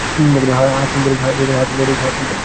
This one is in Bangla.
হ্যাঁ, তুমি পেরেছ।